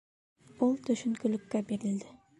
Ул төшөнкөлөккә бирелде.